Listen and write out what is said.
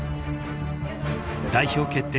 ［代表決定